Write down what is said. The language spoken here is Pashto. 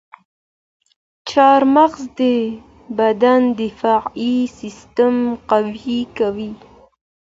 چارمغز د بدن دفاعي سیستم قوي کوي.